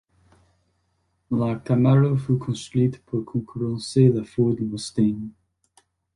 La Camaro fut construite pour concurrencer la Ford Mustang.